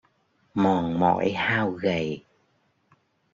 Mòn mỏi hao gầy